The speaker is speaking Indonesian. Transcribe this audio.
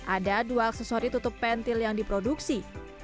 ada dua aksesori tutup pentil yang diproduksi